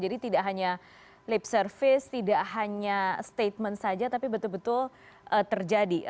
jadi tidak hanya lip service tidak hanya statement saja tapi betul betul terjadi